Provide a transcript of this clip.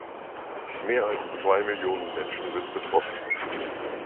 Mehr als zwei Millionen Menschen sind betroffen.